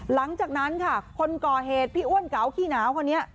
หลังจากนั้นค่ะคนก่อเหตุพี่อ้วนเก๋าขี้หนาวคนนี้